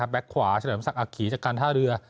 แบ็คขวาชะลูยอำสังอักขิจากการท่าเรือ